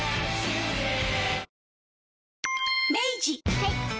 はい。